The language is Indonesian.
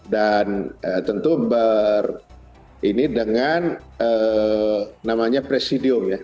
dan tentu dengan presidium ya